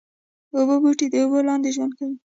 اوبو بوټي د اوبو لاندې ژوند کوي